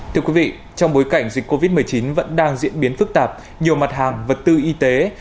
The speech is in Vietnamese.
thưa quý vị trong bối cảnh dịch covid một mươi chín vẫn đang diễn biến phức tạp nhiều mặt hàng vật tư y tế